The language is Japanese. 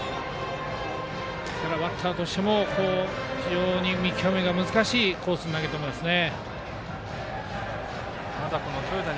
バッターとしても非常に見極めが難しいコースに投げていますね。